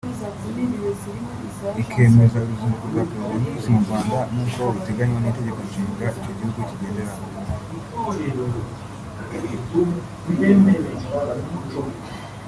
ikemeza uruzinduko rwa Perezida Nyusi mu Rwanda nk’uko biteganywa n’Itegeko Nshinga icyo gihugu kigenderaho